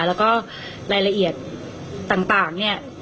แล้วก็รายละเอียดต่างเนี่ย